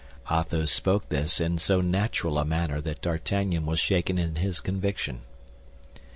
Athos spoke this in so natural a manner that D'Artagnan was shaken in his conviction.